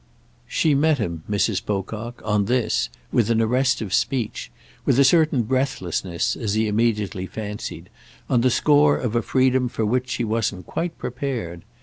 She met him, Mrs. Pocock, on this, with an arrest of speech—with a certain breathlessness, as he immediately fancied, on the score of a freedom for which she wasn't quite prepared.